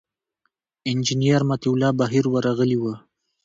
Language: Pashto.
انجینر مطیع الله بهیر ورغلي و.